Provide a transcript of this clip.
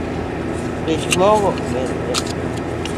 Bech mogo omedore